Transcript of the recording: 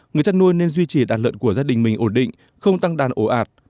người chăn nuôi nên duy trì đàn lợn của gia đình mình ổn định không tăng đàn ổ ạt